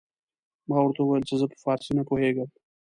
ما ورته وويل چې زه په فارسي نه پوهېږم.